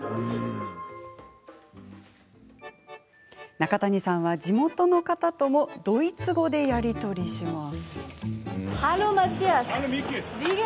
中谷さんは、地元の肩ともドイツ語でやり取りです。